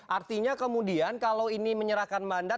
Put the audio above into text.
artinya kemudian kalau ini menyerahkan mandat